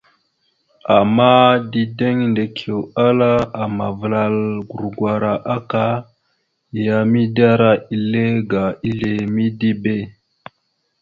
Ama dideŋ Ndekio ala amavəlal gurgwara aka ya midera ile aga izle midibe.